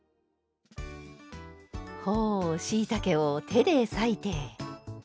ほうしいたけを手で裂いて。